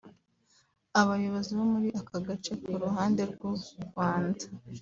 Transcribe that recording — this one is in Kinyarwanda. Aboyobozi bo muri aka gace ku ruhande rw’u Rwanda